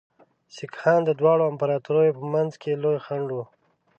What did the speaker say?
سیکهان د دواړو امپراطوریو په منځ کې لوی خنډ وو.